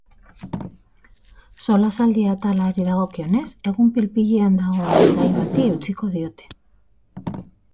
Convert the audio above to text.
Solasaldi atalari dagokionez, egun pil-pilean dagoen gai bati eutsiko diote.